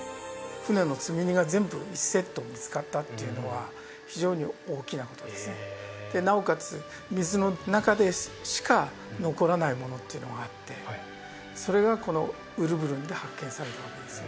船の積み荷が全部１セット見つかったっていうのは非常に大きなことですねでなおかつ水の中でしか残らないものっていうのがあってそれがこのウルブルンで発見されたわけですよね